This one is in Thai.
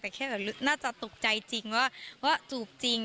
แต่แค่แบบน่าจะตกใจจริงว่าจูบจริง